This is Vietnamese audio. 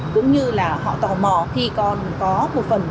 cũng như là họ tò mò khi con có một phần